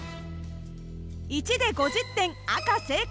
１で５０点赤成功